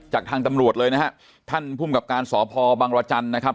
จากทางตำรวจเลยนะฮะท่านภูมิกับการสพบังรจันทร์นะครับ